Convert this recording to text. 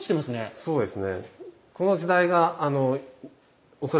そうですね。